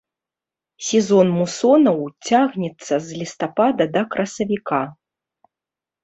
Сезон мусонаў цягнецца з лістапада да красавіка.